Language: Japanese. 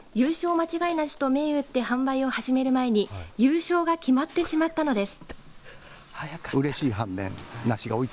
まちがい梨と銘打って販売を始まる前に優勝が決まってしまったのです。